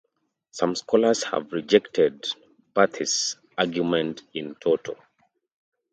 Some scholars have rejected Barthes's argument "in toto".